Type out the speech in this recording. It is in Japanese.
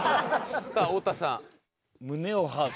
さあ太田さん。